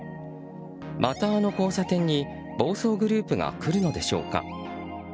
またあの交差点に暴走グループが来るのでしょうか。